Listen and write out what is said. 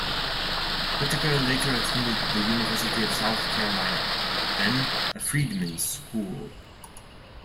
Whittaker later attended the University of South Carolina, then a freedmen's school.